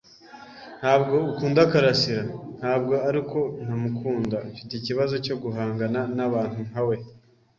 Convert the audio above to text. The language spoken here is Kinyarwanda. "Ntabwo ukunda karasira?" "Ntabwo ari uko ntamukunda, mfite ikibazo cyo guhangana n'abantu nka we."